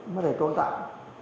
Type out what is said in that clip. mới để tôn tạo